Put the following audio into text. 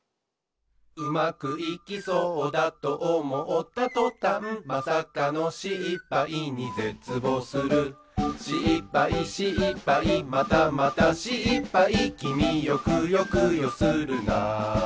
「うまくいきそうだとおもったとたん」「まさかのしっぱいにぜつぼうする」「しっぱいしっぱいまたまたしっぱい」「きみよくよくよするな」